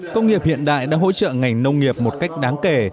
công nghiệp hiện đại đã hỗ trợ ngành nông nghiệp một cách đáng kể